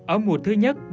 ở mùa thứ nhất